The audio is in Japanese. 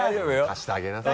貸してあげなさいよ。